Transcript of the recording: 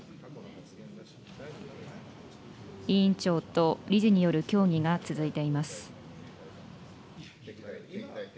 委員長と理事による協議が続いています。